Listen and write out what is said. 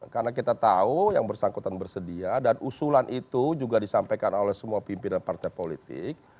karena kita tahu yang bersangkutan bersedia dan usulan itu juga disampaikan oleh semua pimpinan partai politik